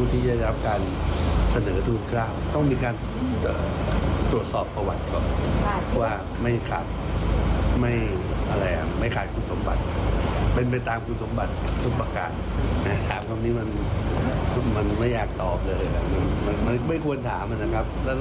ตอนนี้มันไม่อยากตอบเลยมันไม่ควรถามันนะครับ